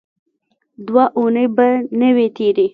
دوه اوونۍ به نه وې تېرې.